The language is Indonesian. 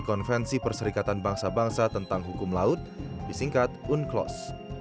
konvensi perserikatan bangsa bangsa tentang hukum laut disingkat unclos